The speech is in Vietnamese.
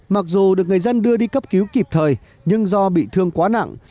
mặc dù được người dân đưa đi cấp cứu kịp thời nhưng do bị thương quá nặng